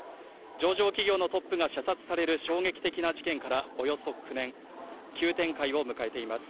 上場企業のトップが射殺される衝撃的な事件からおよそ９年急展開を迎えています